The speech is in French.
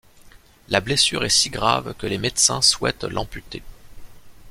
La blessure est si grave que les médecins souhaitent l'amputer.